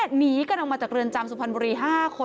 หนีกันออกมาจากเรือนจำสุพรรณบุรี๕คน